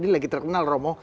ini lagi terkenal romo